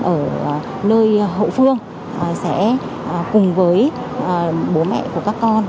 ở nơi hậu phương sẽ cùng với bố mẹ của các con